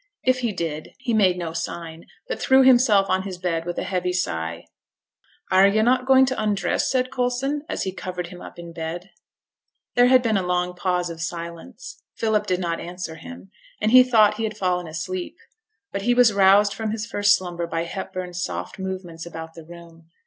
If he did he made no sign, but threw himself on his bed with a heavy sigh. 'Are yo' not going to undress?' said Coulson, as he covered him up in bed. There had been a long pause of silence. Philip did not answer him, and he thought he had fallen asleep. But he was roused from his first slumber by Hepburn's soft movements about the room.